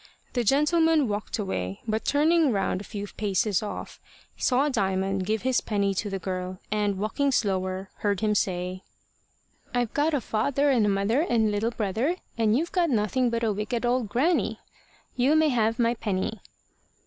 The gentleman walked away, but turning round a few paces off, saw Diamond give his penny to the girl, and, walking slower heard him say: "I've got a father, and mother, and little brother, and you've got nothing but a wicked old grannie. You may have my penny."